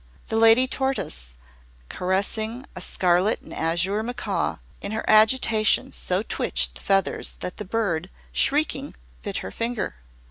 The Lady Tortoise, caressing a scarlet and azure macaw, in her agitation so twitched the feathers that the bird, shrieking, bit her finger.